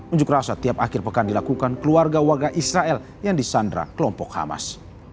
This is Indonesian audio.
unjuk rasa tiap akhir pekan dilakukan keluarga warga israel yang disandra kelompok hamas